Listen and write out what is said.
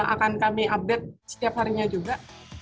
akan kami update setiap harinya juga